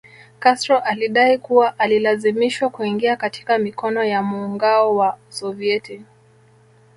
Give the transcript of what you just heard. Castro alidai kuwa alilazimishwa kuingia katika mikono ya muungao wa Usovieti